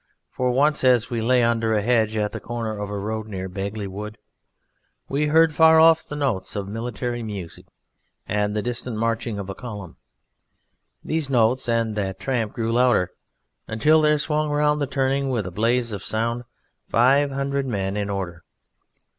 For once as we lay under a hedge at the corner of a road near Bagley Wood we heard far off the notes of military music and the distant marching of a column; these notes and that tramp grew louder, till there swung round the turning with a blaze of sound five hundred men in order.